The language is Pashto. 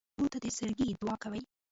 ورور ته د زړګي دعاء کوې.